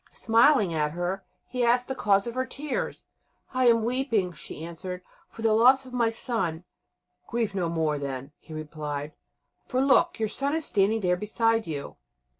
Smiling at her, he asked the cause of her tears. "I am weeping," she answered, "for the loss of my son." "Grieve no more, then," he replied, "for, look, your son is standing there beside you."